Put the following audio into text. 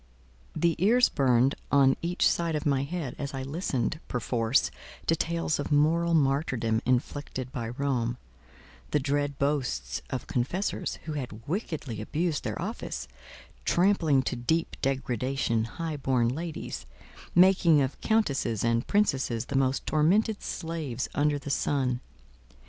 The ears burned on each side of my head as I listened, perforce, to tales of moral martyrdom inflicted by Rome; the dread boasts of confessors, who had wickedly abused their office, trampling to deep degradation high born ladies, making of countesses and princesses the most tormented slaves under the sun.